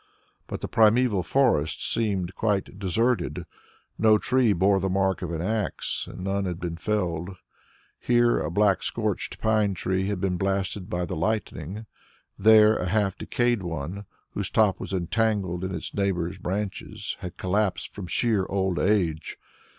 But the primeval forest seemed quite deserted; no tree bore the mark of an axe, and none had been felled. Here a black scorched pine tree had been blasted by the lightning; there a half decayed one, whose top was entangled in its neighbour's branches, had collapsed from sheer old age.